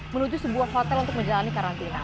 menuju sebuah hotel untuk menjalani karantina